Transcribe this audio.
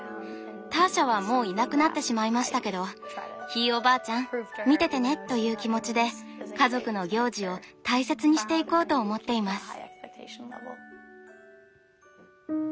ターシャはもういなくなってしまいましたけど「ひいおばあちゃん見ててね」という気持ちで家族の行事を大切にしていこうと思っています。